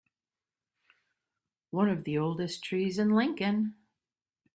One of the oldest trees in Lincoln.